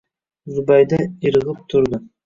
Zubayda irg`ib turdi